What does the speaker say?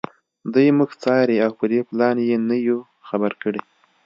دوی موږ څاري او په دې پلان یې نه یو خبر کړي